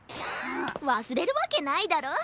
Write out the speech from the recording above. わすれるわけないだろ。